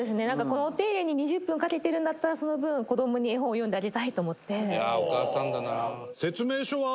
このお手入れに２０分かけてるんだったらその分子供に絵本を読んであげたいと思って」